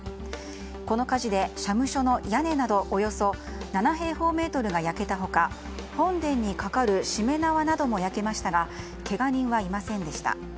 この火事で、社務所の屋根などおよそ７平方メートルが焼けた他本殿にかかるしめ縄なども焼けましたがけが人はいませんでした。